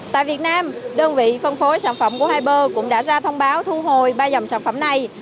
tại việt nam đơn vị phân phối sản phẩm của haiber cũng đã ra thông báo thu hồi ba dòng sản phẩm này